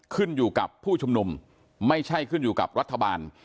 ขึ้นอยู่กับผู้ชุมนุมไม่ใช่ขึ้นอยู่กับรัฐบาล